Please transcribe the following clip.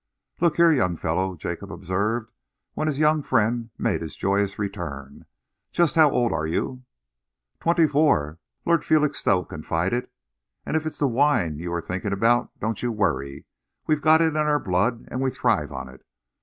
"Look here, young fellow," Jacob observed, when his young friend made his joyous return, "just how old are you?" "Twenty four," Lord Felixstowe confided. "And if it's the wine you are thinking about, don't you worry. We've got it in our blood and we thrive on it.